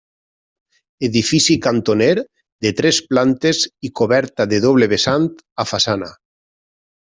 Edifici cantoner de tres plantes i coberta de doble vessant a façana.